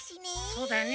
そうだよね。